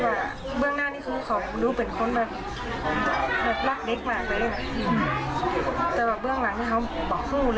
แต่ว่าเรื่องหลังที่เขาบอกผู้เลยบอกผู้ว่าอาจต้องมีแรงจุ้มใจบ้าง